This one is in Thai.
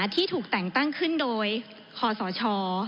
ที่ถูกแต่งตั้งขึ้นโดยคอสช